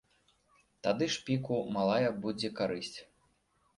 Тады шпіку малая будзе карысць.